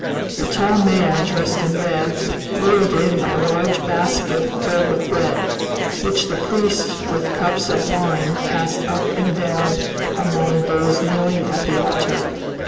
A tall man, dressed in red, wheeled in a large basket filled with bread, which the priests, with cups of wine, passed up and down among those kneeling at the altar.